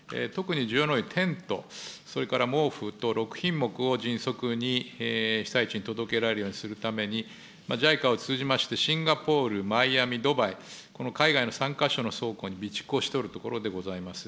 特にテント、毛布と６品目を迅速に被災地に届けられるようにするために、ＪＩＣＡを通じまして、シンガポール、マイアミ、ドバイ、この海外の３か所の倉庫に備蓄をしておるところでございます。